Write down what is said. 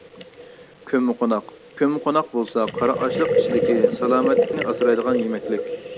كۆممىقوناق: كۆممىقوناق بولسا قارا ئاشلىق ئىچىدىكى سالامەتلىكنى ئاسرايدىغان يېمەكلىك.